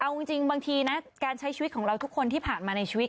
เอาจริงบางทีนะการใช้ชีวิตของเราทุกคนที่ผ่านมาในชีวิต